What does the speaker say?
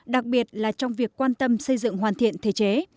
đặc biệt là trong việc quan tâm xây dựng hoàn thiện thể chế